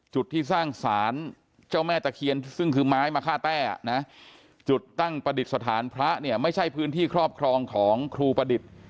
ที่สร้างสารเจ้าแม่ตะเคียนซึ่งคือไม้มะค่าแต้นะจุดตั้งประดิษฐานพระเนี่ยไม่ใช่พื้นที่ครอบครองของครูประดิษฐ์